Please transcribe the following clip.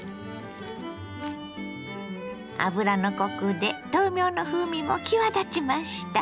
油のコクで豆苗の風味も際立ちました。